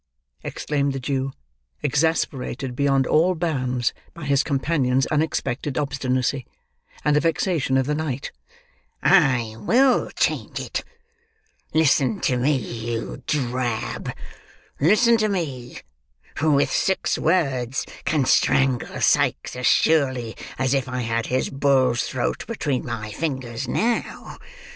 exclaimed the Jew, exasperated beyond all bounds by his companion's unexpected obstinacy, and the vexation of the night, "I will change it! Listen to me, you drab. Listen to me, who with six words, can strangle Sikes as surely as if I had his bull's throat between my fingers now.